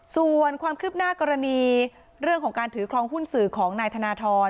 ส่วนความคืบหน้ากรณีเรื่องของการถือครองหุ้นสื่อของนายธนทร